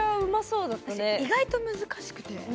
意外と難しくて。